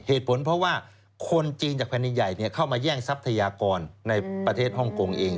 เหตุผลเพราะว่าคนจีนจากแผ่นดินใหญ่เข้ามาแย่งทรัพยากรในประเทศฮ่องกงเอง